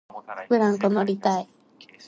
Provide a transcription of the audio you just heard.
ブランコ乗りたい